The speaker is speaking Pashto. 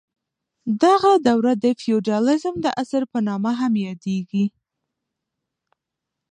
دغه دوره د فیوډالیزم د عصر په نامه هم یادیږي.